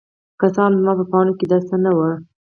که څه هم زما په پاڼو کې داسې څه نه وو.